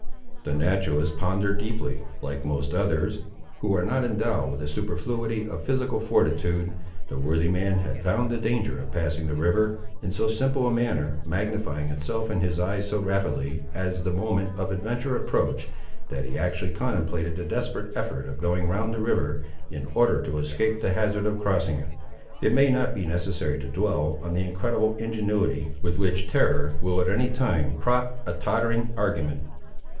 The naturalist pondered deeply. Like most others, who are not endowed with a superfluity of physical fortitude, the worthy man had found the danger of passing the river, in so simple a manner, magnifying itself in his eyes so rapidly, as the moment of adventure approached, that he actually contemplated the desperate effort of going round the river, in order to escape the hazard of crossing it. It may not be necessary to dwell on the incredible ingenuity, with which terror will at any time prop a tottering argument.